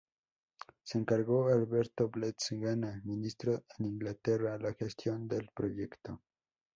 Se encargó a Alberto Blest Gana, ministro en Inglaterra, la gestión del proyecto.